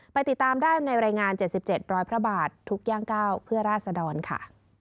ไปติดตามได้ในรายงาน๗๗๐๐พระบาททุกย่างก้าวเพื่อราศดรค่ะ